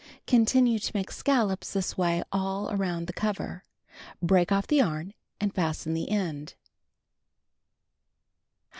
Continue to make scallops this way all around the cover. Break off the yarn, and fasten the end.